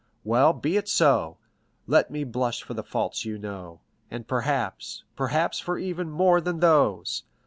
Well, be it so; let me blush for the faults you know, and perhaps—perhaps for even more than those!